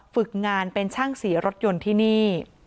ฝึกงานเป็นช่างสีรถยนต์ที่นี่